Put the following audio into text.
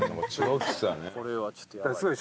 これはちょっとやばい。